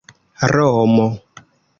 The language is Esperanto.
romo